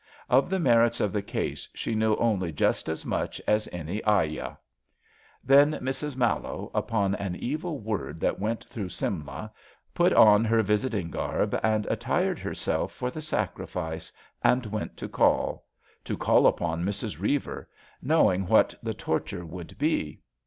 Of the merits of the case she knew just as much as any ayah. Then Mrs. Mallowe, upon an evil word that went through Simla, put on her visiting garb and at tired herself for the sacrifice, and went to call — to call upon Mrs. Eeiver, knowing what the torture would be.